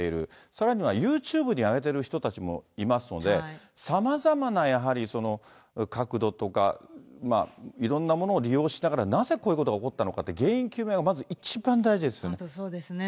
さらにはユーチューブに上げてる人たちもいますので、さまざまなやはり角度とか、いろんなものを利用しながら、なぜこういうことが起こったのかって原因究明がまず一番大事です本当、そうですね。